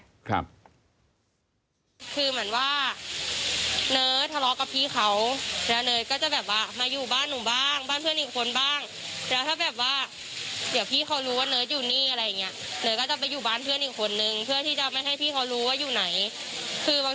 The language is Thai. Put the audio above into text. เนิร์สเป็นคนเนิร์สทำงานซื้อเองค่ะที่ทำงานที่หลายบ่ายซื้อเอง